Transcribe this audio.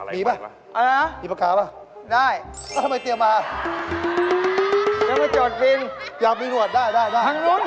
มีไหมมีประกาศหรือเปล่าได้เอาล่ะ